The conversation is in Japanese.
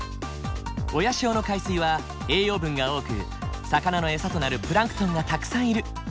親潮の海水は栄養分が多く魚の餌となるプランクトンがたくさんいる。